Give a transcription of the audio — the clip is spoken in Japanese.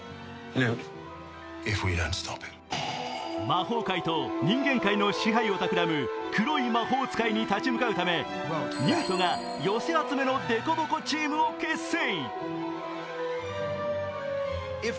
魔法界と人間界の支配を企む黒い魔法使いに立ち向かうためニュートが寄せ集めの凸凹チームを結成。